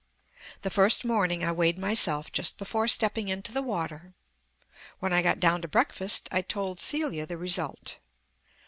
The first morning I weighed myself just before stepping into the water. When I got down to breakfast I told Celia the result.